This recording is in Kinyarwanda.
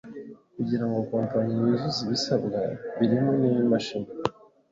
kugira ngo Kompanyi yuzuze ibisabwa birimo n’imashini,